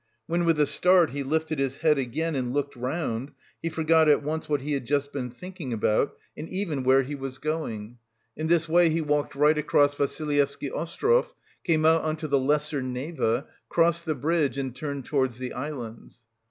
When with a start he lifted his head again and looked round, he forgot at once what he had just been thinking about and even where he was going. In this way he walked right across Vassilyevsky Ostrov, came out on to the Lesser Neva, crossed the bridge and turned towards the islands.